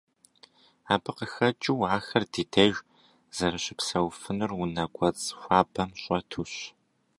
Абы къыхэкӏыу ахэр ди деж зэрыщыпсэуфынур унэ кӏуэцӏ хуабэм щӏэтущ.